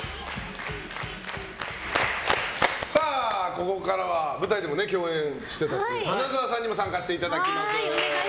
ここからは舞台でも共演してたという花澤さんにも参加していただきます。